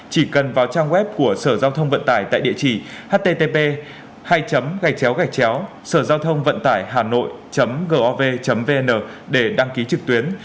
chỉ cần vào trang web của sở giao thông vận tải tại địa chỉ http sởgiao gov vn để đăng ký trực tuyến